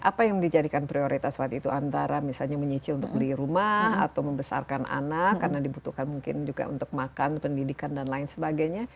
apa yang dijadikan prioritas waktu itu antara misalnya menyicil untuk beli rumah atau membesarkan anak karena dibutuhkan mungkin juga untuk makan pendidikan dan lain sebagainya